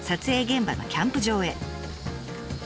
現場のキャンプ場へ。